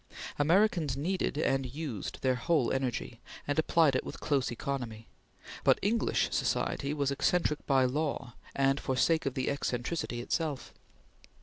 Americans needed and used their whole energy, and applied it with close economy; but English society was eccentric by law and for sake of the eccentricity itself.